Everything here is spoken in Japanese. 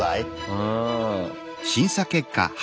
うん。